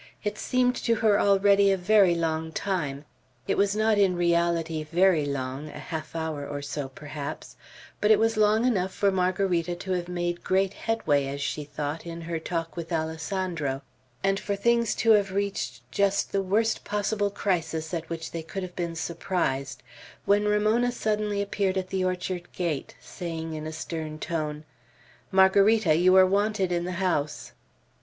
It seemed to her already a very long time. It was not in reality very long, a half hour or so, perhaps; but it was long enough for Margarita to have made great headway, as she thought, in her talk with Alessandro, and for things to have reached just the worst possible crisis at which they could have been surprised, when Ramona suddenly appeared at the orchard gate, saying in a stern tone, "Margarita, you are wanted in the house!"